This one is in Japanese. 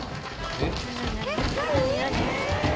えっ何？